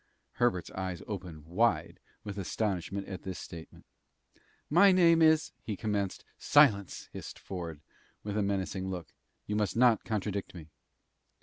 Herbert's eyes opened wide with astonishment at this statement. "My name is " he commenced. "Silence!" hissed Ford, with a menacing look. "You must not contradict me."